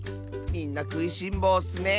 みんなくいしんぼうッスね！